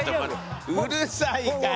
うるさいから。